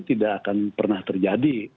tidak akan pernah terjadi